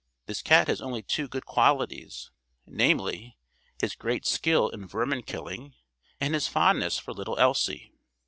This cat has only two good qualities, namely, his great skill in vermin killing, and his fondness for little Elsie.